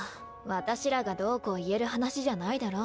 私らがどうこう言える話じゃないだろ。